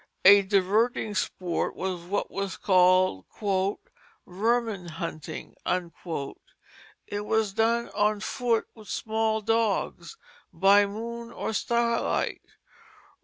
A diverting sport was what was called "vermin hunting." It was done on foot with small dogs, by moon or starlight.